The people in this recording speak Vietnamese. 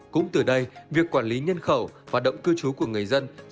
cũng từ đây việc quản lý nhân khẩu và động cư trú của người dân